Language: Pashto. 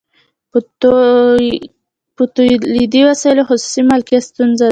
په تولیدي وسایلو خصوصي مالکیت ستونزه ده